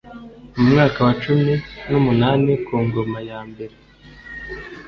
mu mwaka wa cumi n umunani ku ngoma ya mbere